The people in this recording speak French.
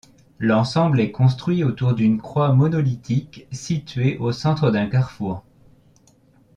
L'ensemble est construit autour d'une croix monolithique située au centre d'un carrefour.